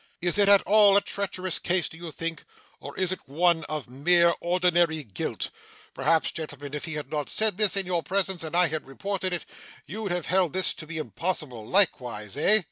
Is it at all a treacherous case, do you think, or is it one of mere ordinary guilt? Perhaps, gentlemen, if he had not said this in your presence and I had reported it, you'd have held this to be impossible likewise, eh?